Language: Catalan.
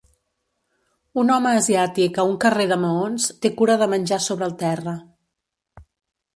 Un home asiàtic a un carrer de maons té cura de menjar sobre el terra.